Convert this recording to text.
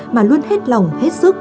mà luôn hết lòng hết sức